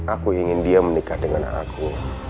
aku ingin dia menikah dengan aku